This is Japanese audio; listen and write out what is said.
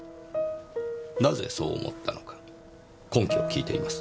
なぜそう思ったのか根拠を聞いています。